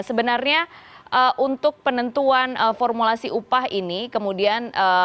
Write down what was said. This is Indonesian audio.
sebenarnya untuk penentuan formulasi upah ini kemudian